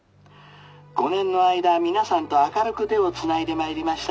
５年の間皆さんと明るく手をつないでまいりました